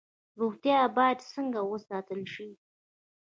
روغتیا باید څنګه وساتل شي؟